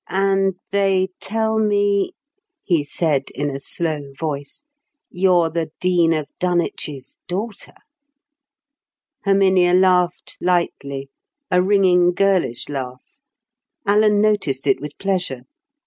"And they tell me," he said in a slow voice, "you're the Dean of Dunwich's daughter!" Herminia laughed lightly—a ringing girlish laugh. Alan noticed it with pleasure.